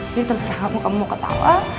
jadi terserah kamu kamu mau ketawa